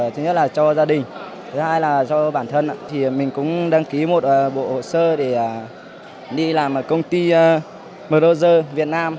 thứ nhất là cho gia đình thứ hai là cho bản thân thì mình cũng đăng ký một bộ hồ sơ để đi làm ở công ty meroser việt nam